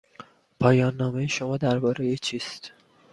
پایان نامه شما درباره چیست؟